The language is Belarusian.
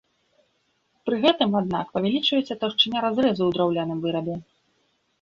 Пры гэтым, аднак, павялічваецца таўшчыня разрэзу ў драўляным вырабе.